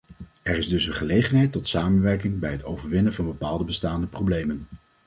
Er is dus een gelegenheid tot samenwerking bij het overwinnen van bepaalde bestaande problemen.